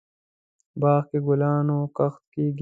باغ کې دګلانو کښت کیږي